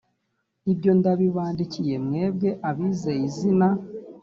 ibyo ndabibandikiye mwebwe abizeye izina